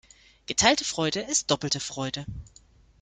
Geteilte Freude ist doppelte Freude.